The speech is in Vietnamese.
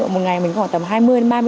một ngày mình khoảng tầm